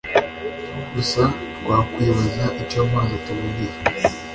Gusa twakwibaza icyo amazi atumariye